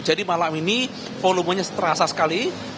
jadi malam ini volumenya terasa sekali